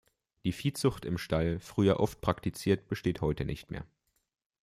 Die Viehzucht im Stall, früher oft praktiziert, besteht heute nicht mehr.